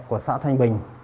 của xã thanh bình